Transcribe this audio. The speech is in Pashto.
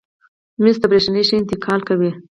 مسو د برېښنا ښه انتقال کوي.